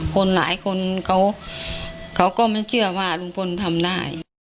คนหลายคนเขาก็ไม่เชื่อว่าลุงพลทำได้